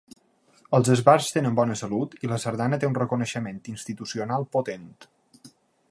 Els esbarts tenen bona salut i la sardana té un reconeixement institucional potent.